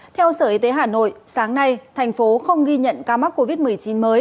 theo sở y tế hà nội sáng nay thành phố không ghi nhận ca mắc covid một mươi chín mới